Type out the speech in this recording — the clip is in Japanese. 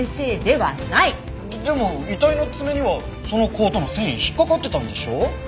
でも遺体の爪にはそのコートの繊維引っかかってたんでしょ？